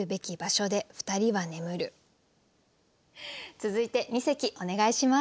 続いて二席お願いします。